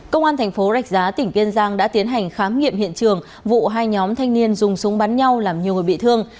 công an thành phố rạch giá tỉnh kiên giang đã tiến hành khám nghiệm hiện trường vụ hai nhóm thanh niên dùng súng bắn nhau làm nhiều người bị thương